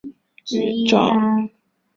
担任阜阳师范学院外国语学院副院长。